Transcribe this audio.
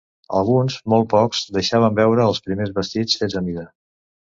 Alguns, molt pocs, deixaven veure els primers vestits fets a mida.